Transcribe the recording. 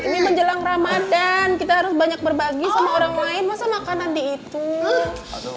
ini menjelang ramadhan kita harus banyak berbagi sama orang lain masa makan nanti itu